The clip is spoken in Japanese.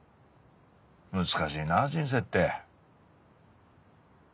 難しいなぁ人生って。